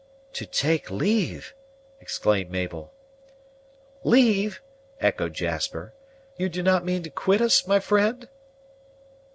"To take leave!" exclaimed Mabel. "Leave!" echoed Jasper; "You do not mean to quit us, my friend?"